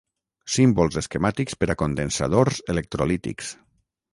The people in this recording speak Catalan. Símbols esquemàtics per a condensadors electrolítics.